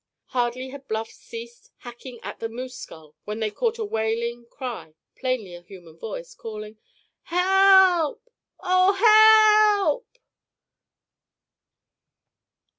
Hardly had Bluff ceased hacking at the moose skull when they caught a wailing cry, plainly a human voice, calling: "Help, oh, help!"